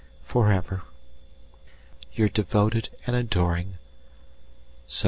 For ever, Your devoted and adoring ZOE.